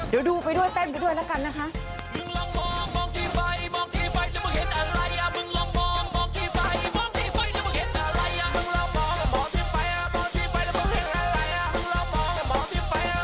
เดี๋ยวดูไปด้วยเต้นไปด้วยแล้วกันนะคะ